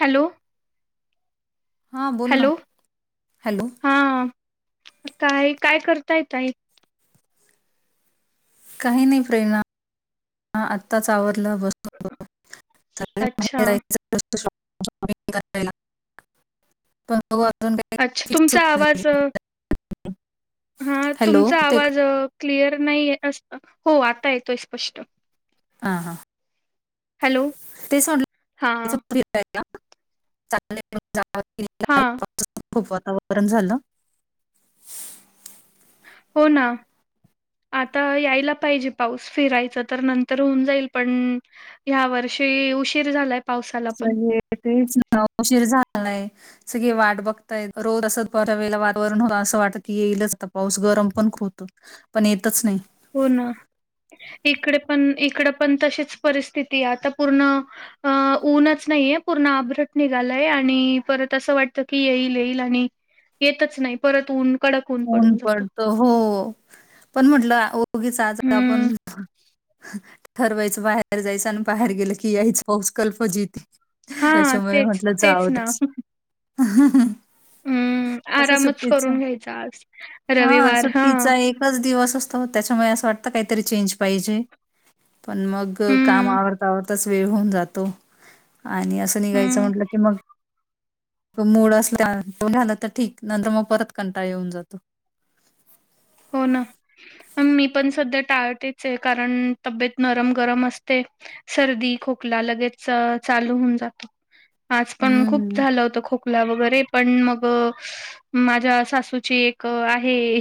Hello! हां बोल ना हॅलो हॅलो. हा काय काय करता येत आहे. काही नाही प्रेरणा आताच आवरलं बस [inaudible] अच्छा [unintelligible] पण बघू अजून काही अच्छा फिक्स होत तुमचा नाही आवाज. हा हॅलो तुमचा येते का आवाज क्लिअर नाही अस हो आता येतोय स्पष्ट हा हा हॅलो तेणलं. हा कप चांग जा. हां. खूप वातावरण झालं. हो ना. आता यायला पाहिजे पाऊस फिरायचं तर नंतर होऊन जाईल पण. ह्या वर्षी उशीर झाला. सेतहीच ना उशीर झालाय. सगळे वाट बघताय रोज असं बऱ्या वेळेला वातावरण हो असं वाटत की येईलच आता पाऊस गरम पण खुप होत पण येतच नाही हो ना इकडे पण इकड पण तशीच परिस्थिती आहे आता पूर्ण अं ऊनच नाहीय पूर्ण आभ्रट निघालाय आणि परत असं वाटतं की येईल येईल आणि येतच नाही परत ऊन कडक पडून ऊन जातं पडतो हो पण म्हटलं ओगीच आज हम्म आपण ह ठरवायचं बाहेर जायचं आणि बाहेर गेलं की यायच पाऊस कल फजिती हा त्याच्यामुळे तेच म्हंटलं तेच जाव ना [unintelligible] हम्म आरामच करून घ्यायचा आज हा सुट्टीचा एकच दिवस असतो त्याच्यामुळे असं वाटतं काहीतरी चेंज पाहिजे पण मग अ काम हम्म आवरता आवरताच वेळ होऊन जातो आणि असं निघायचं हम्म म्हटलं की मग मूड अस झालं तर ठीक नंतर मग परत कंटाळ येऊन जातो होन मी पण सध्या टाळतेच आहे कारण तब्येत नरम गरम असते सर्दी खोकला लगेच अ चालू होऊन जातो आज पण खूप हम्म झालं होत खोक ुला वगैरे पण मग माझ्या सासूची एक आहे.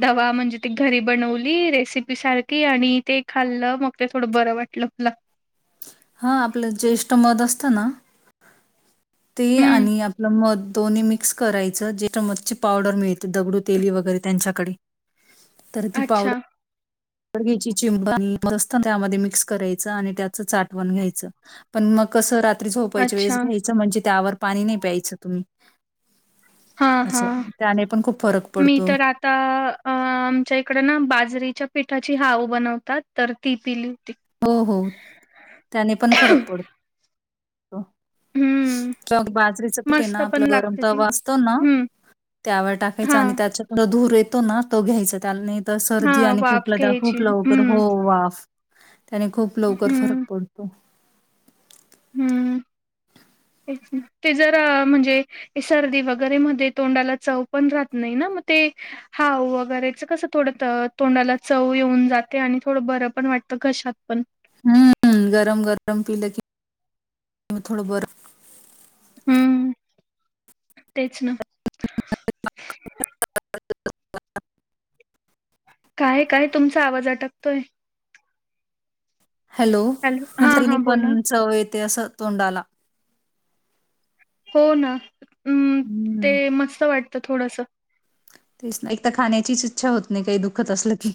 दवा म्हणजे ती घरी बनवली रेसिपी सारखी आणि ते खाल्लं मग ते थोडं बरं वाटत. ला. हा आपलं ज्येष्ठ मत असतं ना. ते हम्म. आणि आपलं मध दोन्ही मिक्स करायचं जे मच्छची पावडर मिळते. दगड ते वगैरे त्यांच्याकडे तर ती पावड अच्छा, घ्यायची चिंब मस्त त्यामध्ये मिक्स करायचं आणि त्याचं चाठवण घ्यायचं पण मग कसं रात्री झोपायच वेस अच्छा. घ्यायचं म्हणजे त्यावर पाणी नाही प्यायचं तुम्ही हां, अस त्याने पण खूप फरक पडतो त अ आमच्या इकड ना बाजरीच्या पिठाची हाव बनवतात तर ती पिली होती. हो हो, त्याने पण फरक पडतो. हम्म किंवा बाजरीचं पिठे मस्त ना पण आपलं गरम लागते ती तवा असतो ना. हम्म त्यावर हा टाकायचं आणि त्याच्याकड धूर येतो ना तो घ्यायचा त्यानी तर हा सर्दी आणि वाफ खोपला त्या घ्यायची खूप लवकर हम्म हो वाफ त्याने खूप लवकर फरक हम्म पडतो. हम्म, तेच ना, ते जर अ म्हणजे. ते सर्दी वगैरे मध्ये तोंडाला चव पण राहत नाही ना मग ते. हाव वगैरेच कसं थोडं तोंडाला चव येऊन जाते आणि थोडं बरं पण वाटतं घशात पण. हम्म गरम गरम पीलकी, म थोडं बरं हम्म, तेच ना. [inaudible] काय काय तुमचा आवाज अटकतोय? हॅलो, हा म्हटल तिने हा बोला पण च येते असं तोंडाला. हो ना. हम्म. ते मस्त वाटतं थोडसं. तेच एक तर खाण्याचीच इच्छा होत नाही काही दुखत असलं की.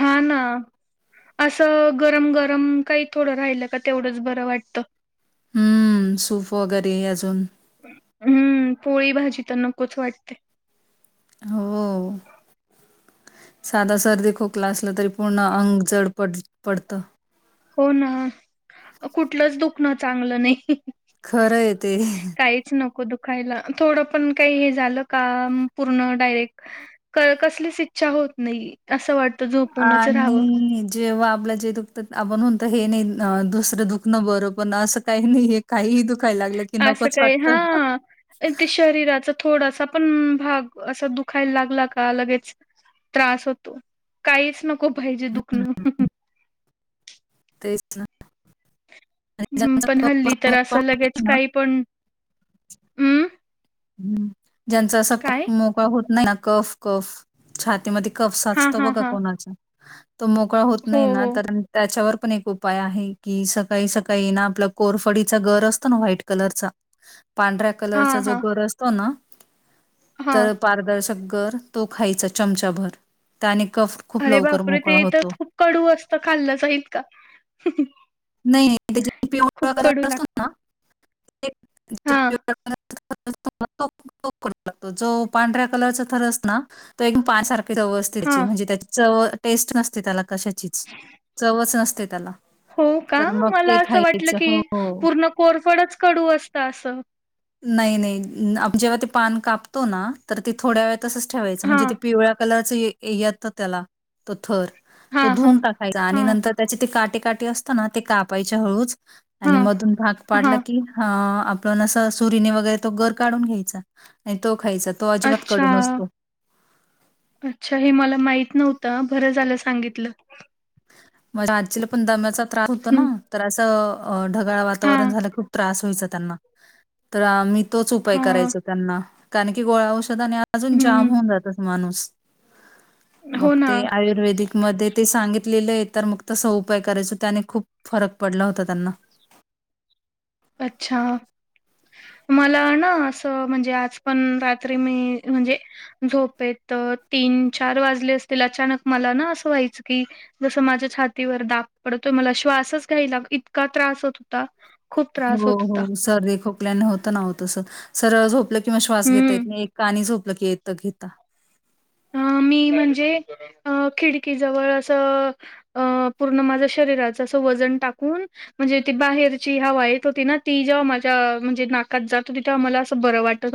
हा ना. असं गरम गरम काही थोडं राहिल का तेवढंच बरं वाटतं. हम्म सूफ वगैरे अजून. हम्म पोळी भाजी तर नकोच वाटते. हो. साधा सर्दी खोकला असलं तरी पूर्ण अंग जड पड पडत. हो ना, कुठलंच दुखणं चांगलं नाही. खरं य ते. काहीच नको दुखायला थोडं पण का हे झालं का पूर्ण डायरेक्ट कसलीच इच्छा होत नाही असं वाट अ आणि. जेव्हा आपल्या जे दुखतात आपण म्हणतो हे नाही दुसरं दुखणं बरं पण असं काही नाही. काहीही दुखायला लागलं की नकोच वाटत. शरीराच. थोडासा पण भाग असा दुखायला लागला का लगेच त्रास होतो. काहीच नको पाहिजे हं, दुखणं. तेच ना. आणि हम् ज्यांचा पण कफ हल्ली असा तर मोकळा असं होत लगेच नाही ना काही पण, हम्. हम्, ज्यांचा असा कप मोकाळा होत नाही ना कफ कफ छातीमध्ये कफ हां, साचतो हां, बघा हां. कोणाचा. तो मोकळा होत हो, नाही ना हो. तर त्याच्यावर पण एक उपाय आहे. कि सकाळी सकाळी ना आपला कोरफडीचा गर असतो ना व्हाईट कलरचा, पांढऱ्या कलरचा हां, जो हां, गर असतो ना, हां. तर पारदर्शक गर. तो खायचा चमचाभर त्याने कफ खूप अरे लवकर बापरे! ते मोकळा तर होतो. खूप कडू असतं खाल्लं जाईल का? नाही नाही त्याची पिवळ खूप वगैर कडू असतो लागतं. ना हां, [unintelligible] [unintelligible] जो पांढऱ्या कलरचा थरस ना. तो एकदम पान सारखे चव अस त्याची हां. म्हणजे त्याची चव टेस्ट नसते त्याला कशाचीच, चवच नसते त्याला. हो का तर मग ते मला असं वाटलं खायचं की हो. हो. पूर्ण कोरफडच कडू असतं असं. नाही नाही जेव्हा ते पान कापतो ना तर ते थोड्या वेळ तसच ठेवायच म्हणजे हां, ते पिवळ्या कलरच येतं त्याला, तो थर तो हां, हां. धुवून टाक आणि हां, नंतर त्याचे ते काटे काटे असत ना ते कापायचे हळूच. आणि हां, मधून भाग पाडला हां. की हा आपल्याला सहज सुरीने वगैरे तो गर काढून घ्यायचा आणि तो खायचा. तो अजिबात अच्छा. कडू नसतो. अच्छा हे मला माहित नव्हतं बरं झालं सांगितलं. माझ्या आजीला पण दम्याचा त्रास होता ना. हं. तर असं ढगाळ वातावरण हां, झालं खूप त्रास व्हायचा त्यांना. तर आम्ही तोच उपाय हां. करायचो त्यांना कारण की गोळ्या औषधाने आणि अजून जाम हं. होऊन जातच माणूस. मग हो ना. ते आयुर्वेदिक मध्ये ते सांगित लेल तर मग तस उपाय करायचो त्याने खूप फरक पडला होता त्यांना. अच्छा. मला ना असं म्हणजे आज पण रात्री मी म्हणजे झोपेत तीन चार वाजले असतील अचानक मला ना असं व्हायचं की जसं माझ्या छातीवर दाब पडतो मला श्वासच घ्यायला इतका त्रास होत होता खूप त्रास हो होत होता. हो. सर्दी, खोक आपल्याना होत ना ओ तस सरळ झोपलं कि मग श्वास घेता हं. येत नाही. एक अंगी झोपलं की येत घेता. अ मी म्हणजे अ खिडकीजवळ असं अ पूर्ण माझ्या शरीराचं असं वजन टाकून म्हणजे ती बाहेरची हवा येत होती ना ती जेव्हा माझ्या म्हणजे नाकात जातो तिथे आम्हाला असं बरं वाट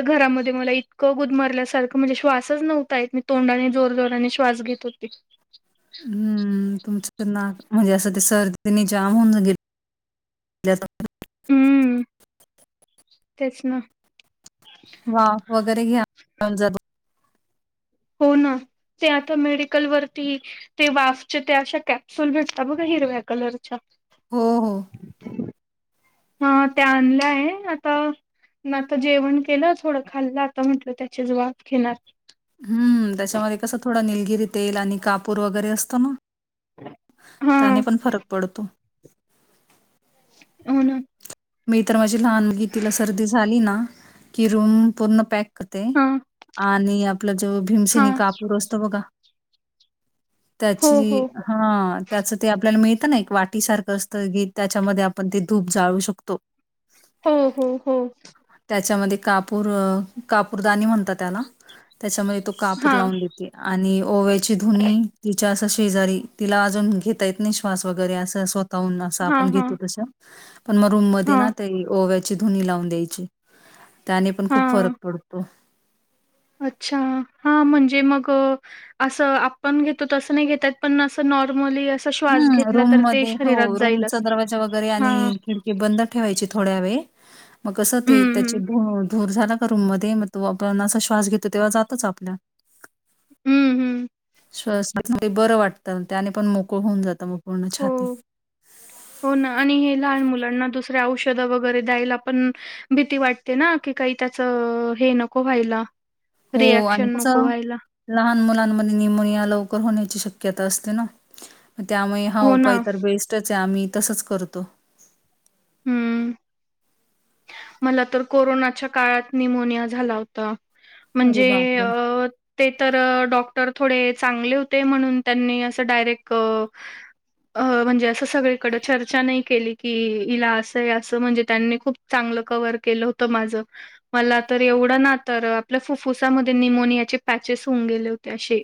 घरामध्ये मला इतकं गुदमरल्या सारखं म्हणजे श्वास असच नव्हता येत मी तोंडाने जोर जोराने श्वास घेत होते. तुमच ना म्हणजे असं ते सर्दीने जाम होऊन गे [inaudible] हम्म. तेच ना. वाफ वगैरे [inaudible] हो ना ते आता मेडिकल वरती ते वाफचे त्या अशा कॅप्सूल भेटतात बघा हिरव्या कलरच्या. हो हो. हा त्या आणल्या आहे. आता मग आता जेवण केलं, थोडं खाल्, आता म्हटलं त्याचीच वाफ घेणार. हम्म त्याच्यामध्ये कसं थोडं निलगिरी तेल आणि कापूर वगैरे असतो ना. हा त्याने पण फरक पडतो. हो ना. मी तर माझी लहान मुलगी तिला सर्दी झाली ना की रूम पूर्ण पॅक करते हा आणि आपला जो हा भीमशिनी कापूर असतो बघा. हो हो त्याची हा त्याचं ते आपल्याला मिळतं ना एक वाटीसारखं असतं, की त्याच्यामध्ये आपण ते धूप जाळू शक तो. हम्म हम्म हम्. त्याच्यामध्ये कापूर कापूरदानी म्हणतात त्याला. त्याच्यामध्ये तो कापूर हा लावून देत आणि ओव्याची धुनी तिच्या असं शेजारी तिला अजून घेता येत नाही श्वास वगैरे असं स्वः तः असं हा आपण हा घेतो तस. पण मग रूम मध्ये हा ना ते ओव्याची धुनी लावून द्यायची. त्याने पण हा खूप फरक पडतो. अच्छा हा म्हणजे मग असं आपण घेतो तसं नाही घेतात पण असं नॉर्मली अस हम्म रूम मध्ये हो रूमचा दरवाजा वगैरे हा आणि खिड की बंद ठेवायची थोड्या वेळ मग कस ते हम्म त्याची हम्म धूर धूर झाला का रूम मध्ये मग तो आपण असा श्वास घेतो तेव्हा जातोच आपल्या हम्म हम्म. श्वास घेताना बरं वाटतं. त्याने पण मोकळ होऊन जातं मग पूर्ण छाती. हो हो ना आणि हे लहान मुलांना दुसरे औषधं वगैरे द्यायला आपण भीती वाटते ना की काही त्याचं हे नको व्हायला हो आणि रिएक्शन त नको व्हायला. लहान मुलांमध्ये न्यमोनिया लवकर होण्याची शक्यता असते ना त्यामुळे हा हो ना. उपाय तर बेस्टच आहे आम्ही तसच करतो हम्म मला तर कोरोनाच्या काळात निमोनिया झाला होता अरे म्हणजे बापरे! अ ते तर डॉक्टर थोडे चांगले होते म्हणून त्यांनी असं डायरेक्ट अ म्हणजे असं सगळीकडे चर्चा नाही केली की इला असंय असं म्हणजे त्यांनी खूप चांगलं कवर केलं होतं माझं मला तर एवढं ना तर आपल्या फुफ्फुसामध्ये निमोनियाचे पॅचेस होऊन गेले होते असे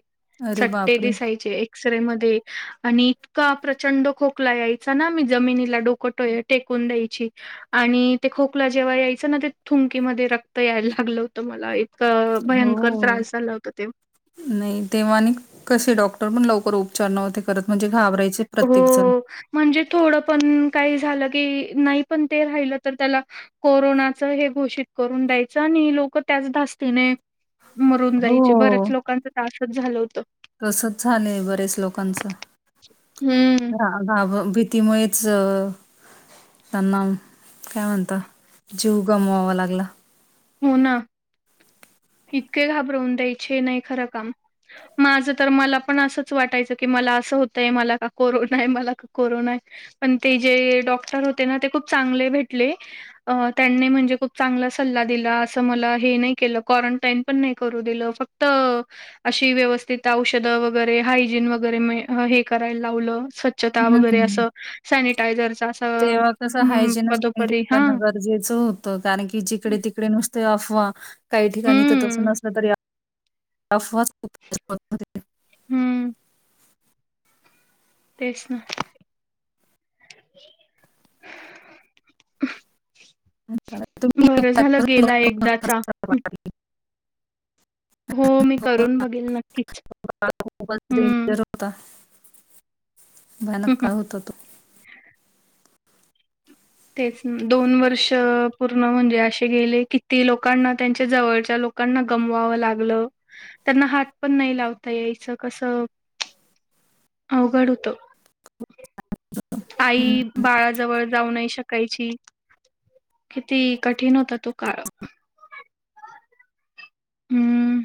अरे सट्टे बापरे! दिसायचे एक्सरे मध्ये आणि इतका प्रचंड खोकला यायचा ना मी जमिनीला डोकटोय टेकून द्यायची आणि ते खोकला जेव्हा यायचं ना ते थुंकी मध्ये रक्त यायला लागलं होतं मला अ भयंकर हो, त्रास झाला होता तेव नाही तेव्हा आणि कसे डॉक्टर पण लवकर उपचार नव्हते करत म्हणजे घाबरायचे प्रत्येकजण. हो म्हणजे थोडं पण काही झालं की नाही पण ते राहिलं तर त्याला कोरोनाच हे घोषित करून द्यायचं आणि लोक त्याच धास्तीने मरून हो, जायचे बर्याच लोकांच तासच झालं होत तसच झालंय बरेच हम्म. लोकांचभ भीतीमुळे ज त्यांना काय म्हणत जीव गमवावा लागला हो ना इतके घाबरवून द्यायचे नाही खरं काम माझ तर मला पण असंच वाटायचं की मला असं होतंय मला का कोरोना आहे मला का कोरोना आहे पण ते जे डॉक्टर होते ना ते खूप चांगले भेटले अ त्यांनी म्हणजे खूप चांगला सल्ला दिला अस मला हे नाही केलं, क्वारंटाईन पण नाही करू दिलं, फक्त अशी व्यवस्थित औषधं वगैरे हायजीन वगैरे हे करायला लावलं स्वचछता वगैरे हम्म. असं सॅनिटायझरचं असं तेव्हा कसं हम्म हायजिनच पदोपदी मेंटेन हा करणं गरजेचं गरजेचं होत कारण की जिकडे-तिकडे नुसते अफवा, काही ठिकाणी तर तस हम्म नसलं तरी अफवाच खूप पसरत होत्या. हम्म. तेच ना. तुम्ही हे बरं झालं प्रकरण बघा, गेला तुम्हाला एकदाचा खरंच खराब हं, वाटेल. हो, मी करून बघेल नक्की. मोल रेंजर होता, भयानक काय होता तो. तेच दोन वर्ष पूर्ण म्हणजे अशे गेले किती लोकांना त्यांच्या जवळच्या लोक लोकांना गमवावं लागलं त्यांना हात पण नाही लावता यायचं कसं अवघड होतं. हं, आई हं. बाळाजवळ जाऊ नाही शकायची किती कठीण होता तो काळ हम्म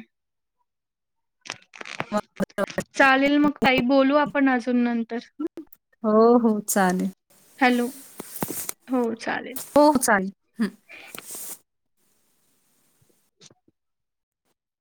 चालेल मग ताई बोलू आपण अजून नंतर हो हो चालेल हॅलो हो चालेल. हो चालेल हं.